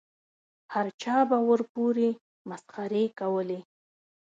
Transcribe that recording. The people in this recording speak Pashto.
هر چا به ورپورې مسخرې کولې.